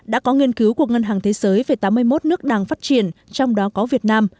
đã có nghiên cứu của ngân hàng thế giới về tám mươi một nước đang phát triển trong đó có việt nam